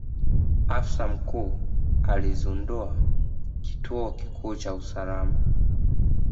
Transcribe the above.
Afisa mkuu alizundua kituo kikuu cha usalama.